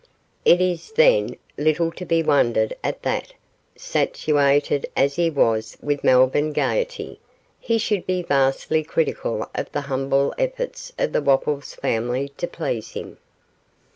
It is, then, little to be wondered at that, satiated as he was with Melbourne gaiety, he should be vastly critical of the humble efforts of the Wopples family to please him.